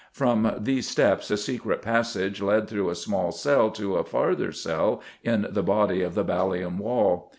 From these steps a secret passage led through a small cell to a farther cell in the body of the Ballium Wall.